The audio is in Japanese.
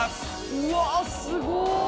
うわすごっ。